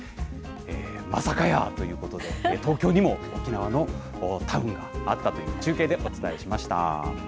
まさかやーということで、東京にも沖縄のタウンがあったという、中継でお伝えしました。